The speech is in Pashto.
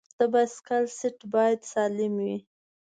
د بایسکل سیټ باید سالم وي.